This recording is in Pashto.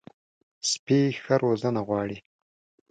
سپي ښه روزنه غواړي.